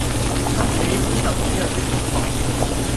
不喜歡受這樣的束縛